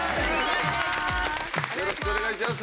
よろしくお願いします。